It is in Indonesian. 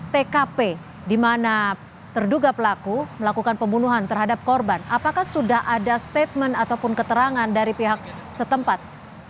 tkp di mana terduga pelaku melakukan pembunuhan terhadap korban apakah sudah ada statement ataupun keterangan dari pihak setempat